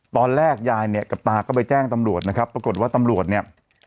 ตอนแรกยายเนี่ยกับตาก็ไปแจ้งตำรวจนะครับปรากฏว่าตำรวจเนี่ย